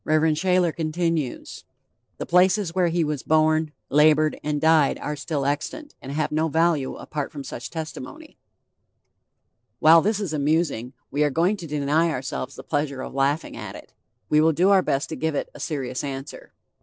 Shayler continues: "The places where he was born, labored and died are still extant, and have no value apart from such testimony." While this is amusing, we are going to deny ourselves the pleasure of laughing at it; we will do our best to give it a serious answer.